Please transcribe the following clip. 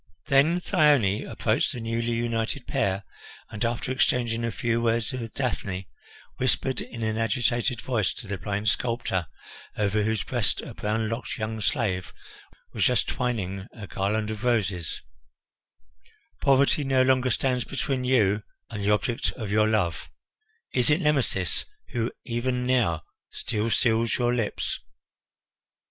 Then Thyone approached the newly united pair and, after exchanging a few words with Daphne, whispered in an agitated voice to the blind sculptor, over whose breast a brown locked young slave was just twining a garland of roses: "Poverty no longer stands between you and the object of your love; is it Nemesis who even now still seals your lips?"